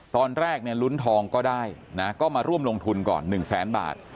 ตอนแรกเนี่ยลุ้นทองก็ได้นะก็มาร่วมลงทุนก่อน๑แสนบาท